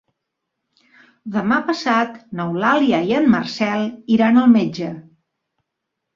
Demà passat n'Eulàlia i en Marcel iran al metge.